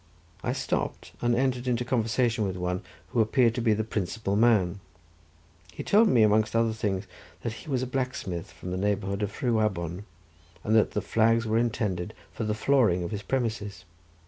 I stopped and entered into conversation with one, who appeared to be the principal man. He told me amongst other things that he was a blacksmith from the neighbourhood of Rhiwabon, and that the flags were intended for the flooring of his premises.